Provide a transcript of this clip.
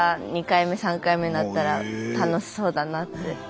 ２回目３回目になったら楽しそうだなって。